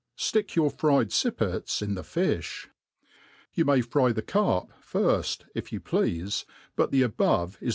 Stick your fried fippets in the fifl). You may fry the carp firft, if you pleafe , but the abptre il.